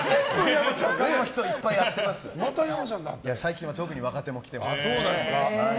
最近は特に若手もきてますから。